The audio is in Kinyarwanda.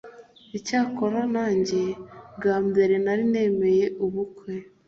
icyakora nanjye bwa mbere nari nemeye ubukwe